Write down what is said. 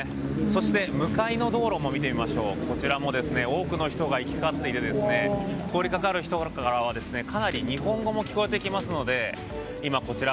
そして、向かいの道路も多くの人が行き交っていて通りかかる人からはかなり、日本語も聞こえてきますのでこちら